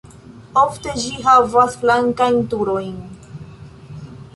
Ofte ĝi havas flankajn turojn.